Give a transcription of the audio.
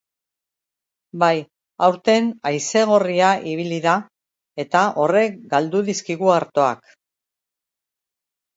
Bai, aurten haize gorria ibili da, eta horrek galdu dizkigu artoak.